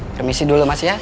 permisi dulu mas ya